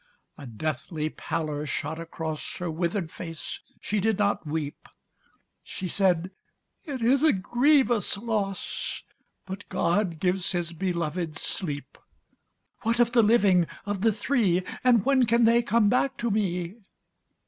A deathly pallor shot across Her withered face; she did not weep. She said: "It is a grievous loss, But God gives His beloved sleep. What of the living of the three? And when can they come back to me?"